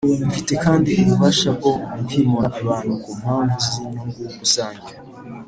Ifite kandi ububasha bwo kwimura abantu ku mpamvu z’inyungu rusange.